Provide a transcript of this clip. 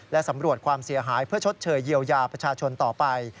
และสำรวจความเสียหายเพื่อชดเชยเยียวยาประชาชนต่อไป